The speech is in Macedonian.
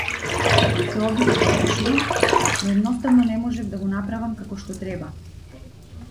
Се обидов да пишувам, но едноставно не можев да го направам како што треба.